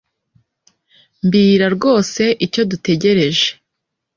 Mbira rwose icyo dutegereje